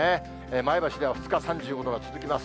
前橋では２日、３５度が続きます。